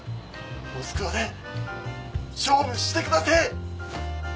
モスクワで勝負してくだせえ！